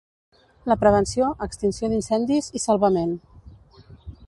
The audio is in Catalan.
La prevenció, extinció d'incendis i salvament.